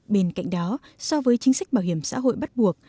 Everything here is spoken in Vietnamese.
bên cạnh đó so với chính sách bảo hiểm xã hội bắt buộc